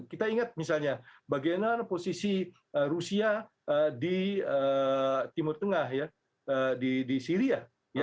kita ingat misalnya bagaimana posisi rusia di timur tengah ya di syria